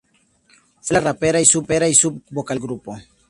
Fue la rapera y sub vocalista del grupo.